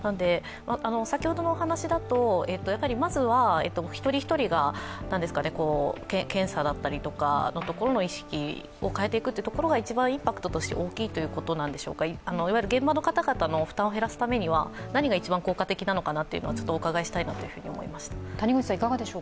先ほどのお話だと、まずは一人一人が検査だったりのところの意識を変えていくところが一番インパクトとして大きいということなんでしょうか、いわゆる現場の方々の負担を減らすためには何が一番効果的なのかお伺いしたいと思いました。